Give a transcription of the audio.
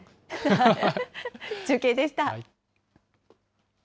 中継でした。